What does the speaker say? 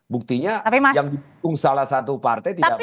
buktinya yang salah satu partai tidak boleh